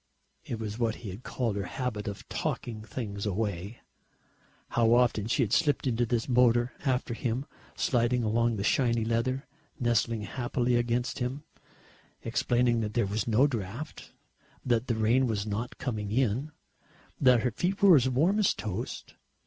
It was what he had called her habit of talking things "away." How often she had slipped into his motor after him, sliding along the shiny leather, nestling happily against him, explaining that there was no draught, that the rain was not coming in, that her feet were as warm as toast.